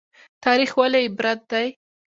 تاریخ ولې عبرت دی؟